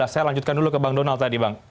saya lanjutkan dulu ke bang donald tadi bang